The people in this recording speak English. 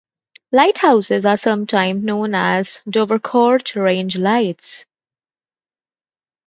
The lighthouses are sometimes known as Dovercourt Range Lights.